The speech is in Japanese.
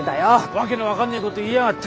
わけの分かんねえこと言いやがって！